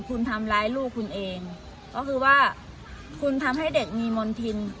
คุณทำร้ายลูกคุณเองก็คือว่าคุณทำให้เด็กมีมณฑิน